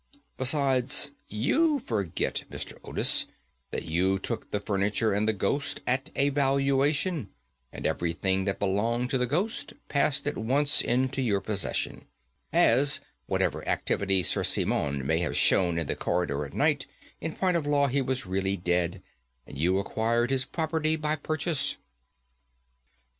Besides, you forget, Mr. Otis, that you took the furniture and the ghost at a valuation, and anything that belonged to the ghost passed at once into your possession, as, whatever activity Sir Simon may have shown in the corridor at night, in point of law he was really dead, and you acquired his property by purchase."